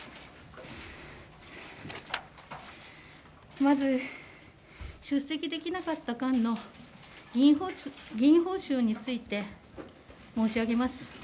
まず、出席できなかった間の議員報酬について申し上げます。